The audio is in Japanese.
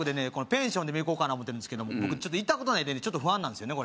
ペンションでも行こうかな思てるんですけど僕行ったことないんでねちょっと不安なんですよね